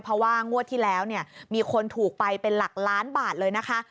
เพราะว่างวดที่แล้วเนี่ยมีคนถูกไปเป็นหลักล้านบาทเลยนะคะ